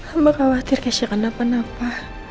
amba khawatir kecia kenapa napa